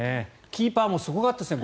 キーパーもすごかったですね